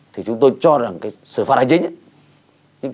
thì chúng tôi cho rằng cái xử phạt hành chính ấy